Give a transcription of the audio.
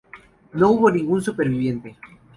No hubo ningún superviviente.